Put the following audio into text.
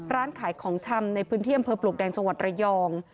ร้านขายของชำในพื้นที่อำเภอปลวกแดงจังหวัดระยอง